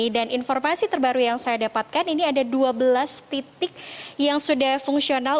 dan informasi terbaru yang saya dapatkan ini ada dua belas titik yang sudah fungsional